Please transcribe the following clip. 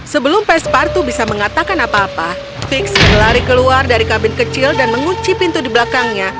sebelum pespartu bisa mengatakan apa apa fix berlari keluar dari kabin kecil dan mengunci pintu di belakangnya